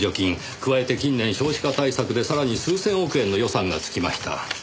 加えて近年少子化対策でさらに数千億円の予算がつきました。